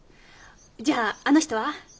じゃああの人は？